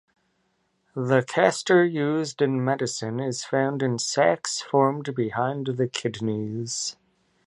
The castor used in medicine is found in sacs formed behind the kidneys.